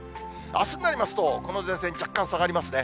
あすになりますと、この前線、若干下がりますね。